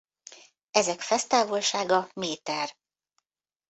Ezek fesztávolsága méter.